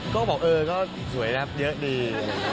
ก็บอกเออสวยเรียบเยอะดี